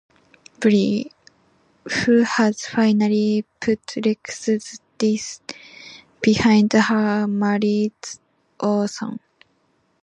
Bree, who has finally put Rex's death behind her, marries Orson.